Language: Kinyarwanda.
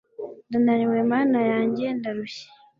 Ndananiwe Mana yanjye ndarushye